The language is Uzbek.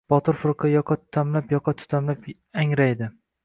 Botir firqa yoqa tutamlab-yoqa tutamlab, angraydi.